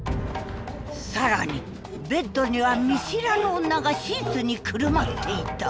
更にベッドには見知らぬ女がシーツにくるまっていた。